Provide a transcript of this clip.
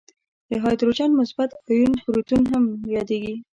د هایدروجن مثبت آیون پروتون هم یادیږي.